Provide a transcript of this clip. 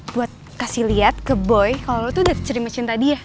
buat kasih liat ke boy kalo lo tuh udah cerima cinta dia